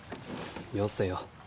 よせよ。